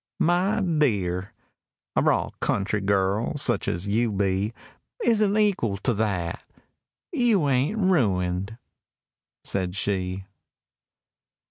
— "My dear—a raw country girl, such as you be, Isn't equal to that. You ain't ruined," said she.